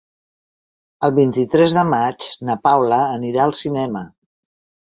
El vint-i-tres de maig na Paula anirà al cinema.